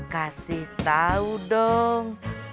kasih tahu dong